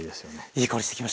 いい香りしてきました。